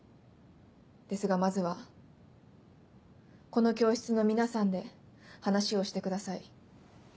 ですがまずはこの教室の皆さんで話をしてください。